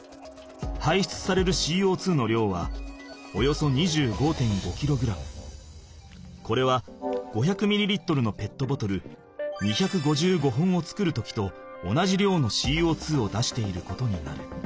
はいしゅつされるＣＯの量はおよそこれは５００ミリリットルのペットボトル２５５本を作る時と同じ量のＣＯを出していることになる。